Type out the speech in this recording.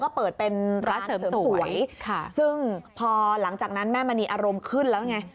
ก็เปิดเป็นร้านเสริมสวยค่ะซึ่งพอหลังจากนั้นแม่มณีอารมณ์ขึ้นแล้วไง